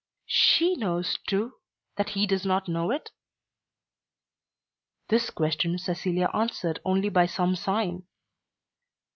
"She knows, too, that he does not know it?" This question Cecilia answered only by some sign.